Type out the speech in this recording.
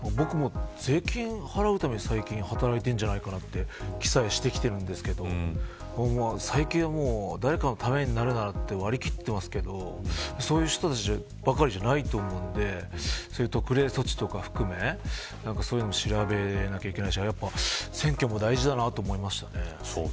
僕も、税金を払うために最近働いているんじゃないかという気さえしているんですけど最近は、誰かのためになるならと割り切ってますけどそういう人たちばかりじゃないと思うので特例措置とか含めて調べなきゃいけないし選挙も大事だなと思いました。